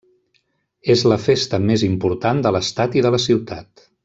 És la festa més important de l'estat i de la ciutat.